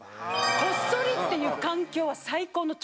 こっそりっていう環境は最高の調味料。